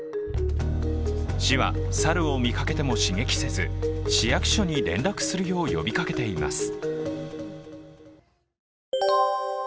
市は、猿を見かけても刺激せず、市役所に連絡するよう呼びかけています。